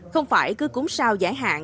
không phải cứ cúng sao giải hạn